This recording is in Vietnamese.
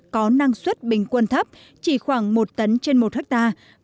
có năng suất bình quân thấp chỉ khoảng một tấn trên một hectare